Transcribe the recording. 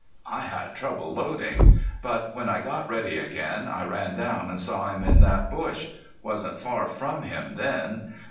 I had trouble loading. But when I got ready again I ran down and saw him in that bush. Wasn't far from him then.